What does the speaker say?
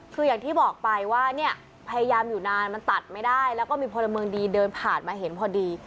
คืออย่างที่บอกไปว่าเนี่ยพยายามอยู่นานมันตัดไม่ได้แล้วก็มีพลเมืองดีเดินผ่านมาเห็นพอดี